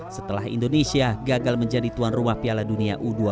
setelah indonesia gagal menjadi tuan rumah piala dunia u dua puluh